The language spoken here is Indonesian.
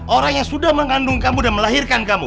orang yang sudah mengandung kamu dan melahirkan kamu